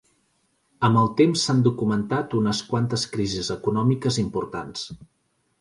Amb el temps s’han documentat unes quantes crisis econòmiques importants.